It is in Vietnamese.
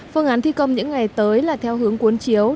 phương án thi công những ngày tới là theo hướng cuốn chiếu